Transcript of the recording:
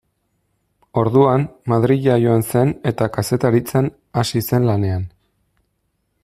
Orduan, Madrila joan zen eta kazetaritzan hasi zen lanean.